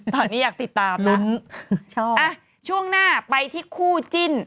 ตอนนี้อยากติดตามนะชอบอ่ะช่วงหน้าไปที่คู่จิ้น